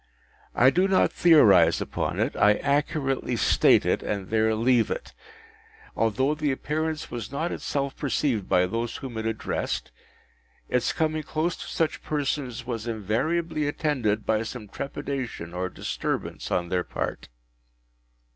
I do not theorise upon it; I accurately state it, and there leave it. Although the Appearance was not itself perceived by those whom it addressed, its coming close to such persons was invariably attended by some trepidation or disturbance on their part.